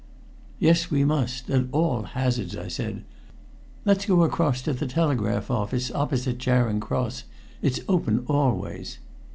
"Yes, we must at all hazards," I said. "Let's go across to the telegraph office opposite Charing Cross. It's open always."